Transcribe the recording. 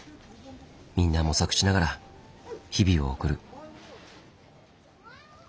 みんな模索しながら日々を送る。